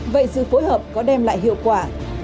vậy sự phối hợp có đem lại hiệu quả